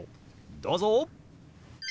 どうぞ！